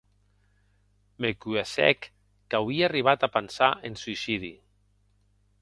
Me cohessèc qu'auie arribat a pensar en suicidi.